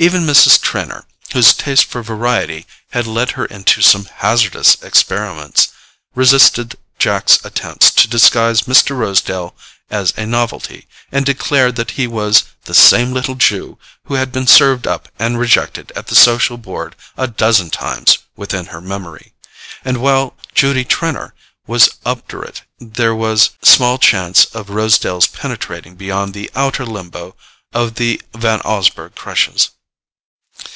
Even Mrs. Trenor, whose taste for variety had led her into some hazardous experiments, resisted Jack's attempts to disguise Mr. Rosedale as a novelty, and declared that he was the same little Jew who had been served up and rejected at the social board a dozen times within her memory; and while Judy Trenor was obdurate there was small chance of Mr. Rosedale's penetrating beyond the outer limbo of the Van Osburgh crushes.